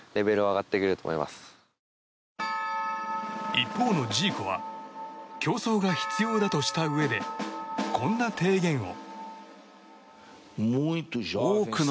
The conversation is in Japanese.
一方のジーコは競争が必要としたうえでこんな提言を。